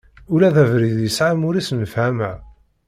Ula d abrid, yesɛa amur-is n lefhama.